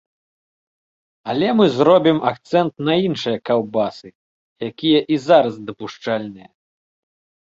Але мы зробім акцэнт на іншыя каўбасы, якія і зараз дапушчальныя.